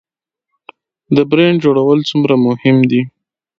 د برنډ جوړول څومره مهم دي؟